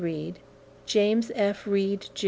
Reed, James F. Reed, Jr.